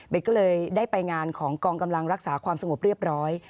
ก็เลยได้ไปงานของกองกำลังรักษาความสงบเรียบร้อย